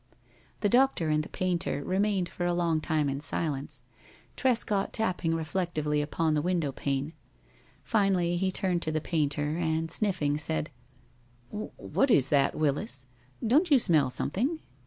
The doctor and the painter remained for a long time in silence, Trescott tapping reflectively upon the window pane. Finally he turned to the painter, and sniffing, said: "What is that, Willis? Don't you smell something?"